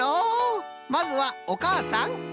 まずはおかあさん。